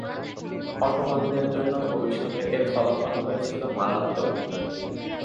অটোমানদের জন্য ভবিষ্যতে এর ফলাফল হয়েছিল মারাত্মক।